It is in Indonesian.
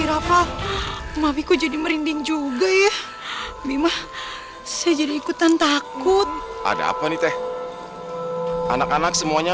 irapa mafiku jadi merinding juga ya bima saya jadi ikutan takut ada apa nih teh anak anak semuanya